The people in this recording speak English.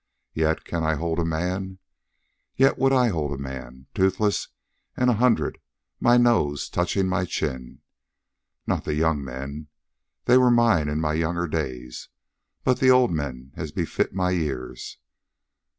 Yet can I hold men. Yet would I hold men, toothless and a hundred, my nose touching my chin. Not the young men. They were mine in my young days. But the old men, as befits my years.